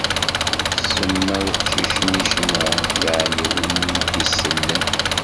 Tsemma i uqcic-nni Cimɛun, yeɛni win i d-isellen.